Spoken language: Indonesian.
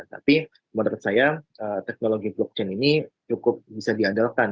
tapi menurut saya teknologi blockchain ini cukup bisa diadalkan